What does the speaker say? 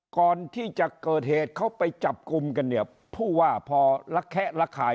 ก่อนที่จะเกิดเหตุเขาไปจับกลุ่มกันเนี่ยผู้ว่าพอละแคะระคาย